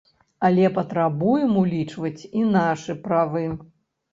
Але патрабуем улічваць і нашы правы.